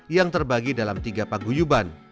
yang terbagi dalam tiga paguyuban